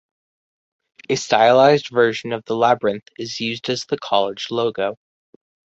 A stylised version of the labyrinth is used as the college logo.